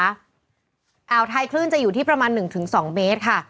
อ่าวไทยคลื่นจะอยู่ที่ประมาณ๑๒เมตรค่ะ